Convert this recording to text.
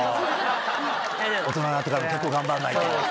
大人になってからも頑張らないと。